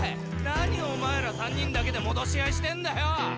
何お前ら３人だけで戻し合いしてんだよ！